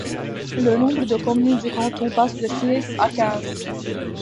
Le nombre de communes du canton passe de six à quinze.